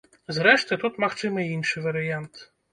Зрэшты, тут магчымы і іншы варыянт.